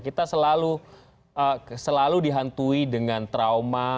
kita selalu dihantui dengan trauma